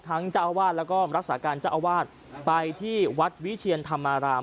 เจ้าอาวาสแล้วก็รักษาการเจ้าอาวาสไปที่วัดวิเชียนธรรมาราม